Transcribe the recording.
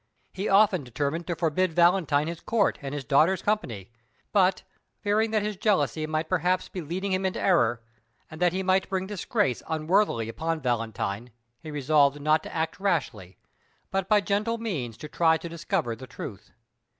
He often determined to forbid Valentine his Court and his daughter's company, but, fearing that his jealousy might perhaps be leading him into error, and that he might bring disgrace unworthily upon Valentine, he resolved not to act rashly, but by gentle means to try to discover the truth.